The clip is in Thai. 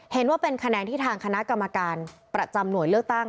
เห็นว่าเป็นคะแนนที่ทางคณะกรรมการประจำหน่วยเลือกตั้ง